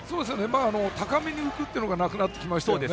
高めに浮くというのがなくなってきましたね。